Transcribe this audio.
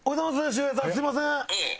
周平さんすみません。